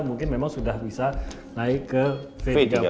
mungkin memang sudah bisa naik ke v tiga puluh